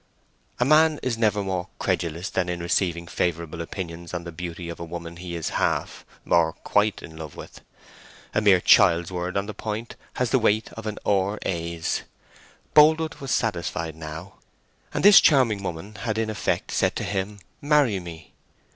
A man is never more credulous than in receiving favourable opinions on the beauty of a woman he is half, or quite, in love with; a mere child's word on the point has the weight of an R.A.'s. Boldwood was satisfied now. And this charming woman had in effect said to him, "Marry me."